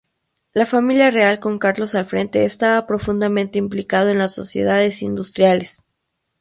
La familia real con Carlos al frente estaba profundamente implicado en las sociedades industriales.